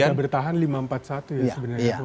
ya bertahan lima empat satu ya sebenarnya